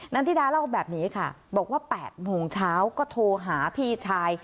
ันธิดาเล่าแบบนี้ค่ะบอกว่า๘โมงเช้าก็โทรหาพี่ชาย